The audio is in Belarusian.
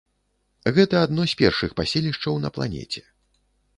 Гэта адно з першых паселішчаў на планеце.